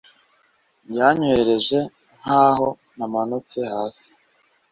Yanyohereje nkaho namanutse hasi